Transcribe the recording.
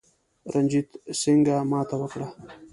رنجیټ سینګه ماته وکړه.